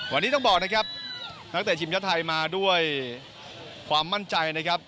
วันนี้ต้องบอกนะครับนักเตะทีมชาติไทยมาด้วยความมั่นใจนะครับ